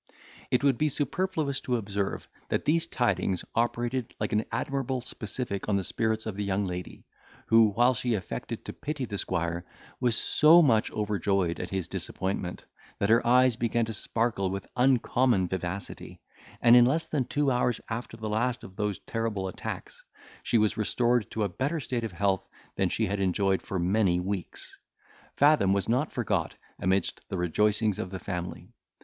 It would be superfluous to observe, that these tidings operated like an admirable specific on the spirits of the young lady, who, while she affected to pity the squire, was so much overjoyed at his disappointment, that her eyes began to sparkle with uncommon vivacity, and in less than two hours after the last of those terrible attacks, she was restored to a better state of health than she had enjoyed for many weeks. Fathom was not forgot amidst the rejoicings of the family.